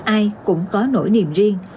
ai cũng có nỗi niềm riêng